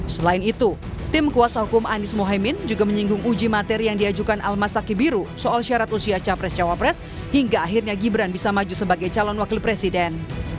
selain itu tim kuasa hukum anies mohaimin juga menyinggung uji materi yang diajukan almas saki biru soal syarat usia capres cawapres hingga akhirnya gibran bisa maju sebagai calon wakil presiden